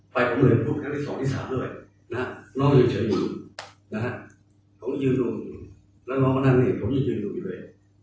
ไฟผมเหลือทุกครั้งที่สองที่สามด้วยน้องนั้นเฉยอยู่ผมยืนตรงนี้น้องน้องมานั่งเนี่ยผมยืนตรงนี้เลย